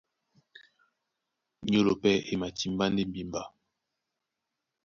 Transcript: Nyólo pɛ́ e matimbá ndé mbimba.